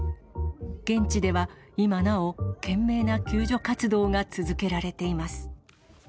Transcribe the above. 現地では今なお、懸命な救助活動が続けられています。